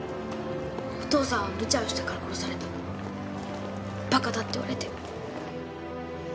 「お父さんはむちゃをしたから殺された」「馬鹿だ」って言われて。